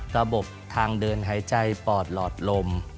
ระบบทางเดินหายใจปอดหลอดลม